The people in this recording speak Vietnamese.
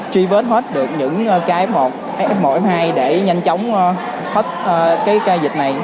tri vết hết được những ca f một f một f hai để nhanh chóng hết cái ca dịch này